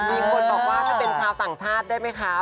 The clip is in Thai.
มีคนบอกว่าถ้าเป็นชาวต่างชาติได้ไหมคะ